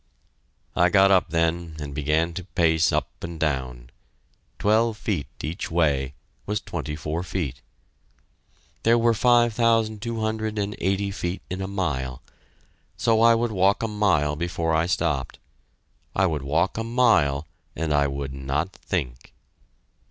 I got up then and began to pace up and down. Twelve feet each way was twenty four feet. There were five thousand two hundred and eighty feet in a mile so I would walk a mile before I stopped I would walk a mile, and I would not think!